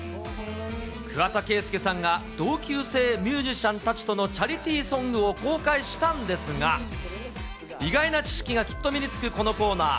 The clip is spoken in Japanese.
桑田佳祐さんが同級生ミュージシャンたちとのチャリティ・ソングを公開したんですが、意外な知識がきっと身につくこのコーナー。